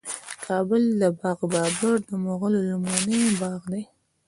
د کابل د باغ بابر د مغلو لومړنی باغ دی